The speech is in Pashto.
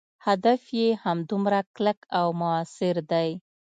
هدف یې همدومره کلک او موثر دی.